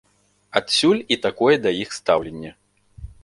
Адсюль і такое да іх стаўленне.